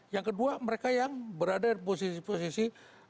yang kedua mereka yang berada di posisi posisi